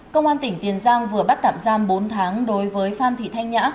công an tỉnh tiền giang vừa bắt tạm giam bốn tháng đối với phan thị thanh nhã